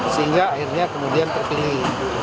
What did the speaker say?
sehingga akhirnya kemudian terpilih